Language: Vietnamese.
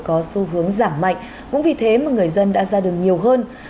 cũng chẳng an toàn hơn